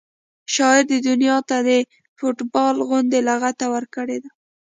شاعر دنیا ته د فټبال غوندې لغته ورکړې ده